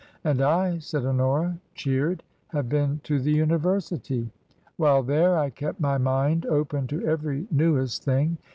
"And I," said Honora, cheered, "have been to the University. While there, I kept my mind open to every newest thing.